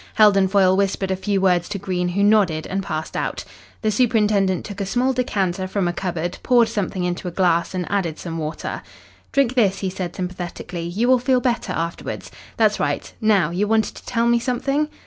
Heldon Foyle whispered a few words to Green, who nodded and passed out. The superintendent took a small decanter from a cupboard, poured something into a glass, and added some water. "Drink this," he said sympathetically. "You will feel better afterwards. That's right. Now, you wanted to tell me something."